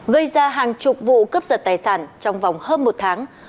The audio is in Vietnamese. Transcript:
gây ra hàng chục vụ cướp giật tài sản trong vòng hơn một tháng